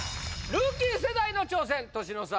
ルーキー世代の挑戦年の差！